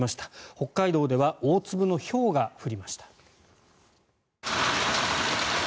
北海道では大粒のひょうが降りました。